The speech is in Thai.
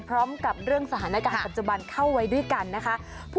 เรื่องสถานการณ์ปัจจุบันเข้าไว้ด้วยกันนะคะ